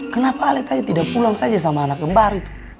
kenapa alet aja tidak pulang saja sama anak kembar itu